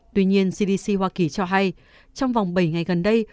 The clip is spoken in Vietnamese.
tuy nhiên cdc hoa kỳ cho hay trong vòng bảy ngày gần đây